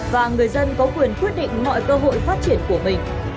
và người dân có quyền quyết định mọi cơ hội phát triển của mình